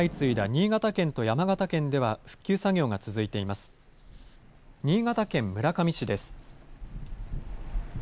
新潟県村上市です。